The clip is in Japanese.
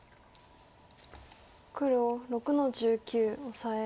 黒６の十九オサエ。